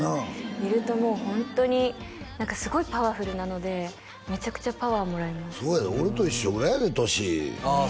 いるともうホントに何かすごいパワフルなのでめちゃくちゃパワーもらいますそうやで俺と一緒ぐらいやで年ああ